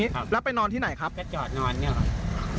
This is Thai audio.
ครับแล้วไปนอนที่ไหนครับไปจอดนอนเนี่ยครับ